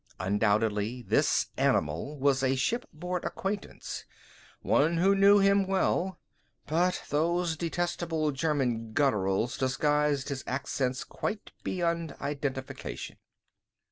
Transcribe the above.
Undoubtedly this animal was a shipboard acquaintance, one who knew him well; but those detestable German gutturals disguised his accents quite beyond identification.